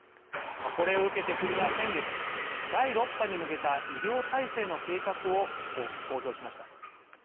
これを受けて国は先月第６波に向けた医療体制の計画を公表しました。